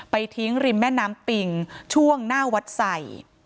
ทิ้งริมแม่น้ำปิงช่วงหน้าวัดใส่